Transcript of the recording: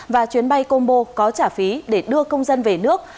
và chuyến bay combo có trả phí để đưa công dân về nước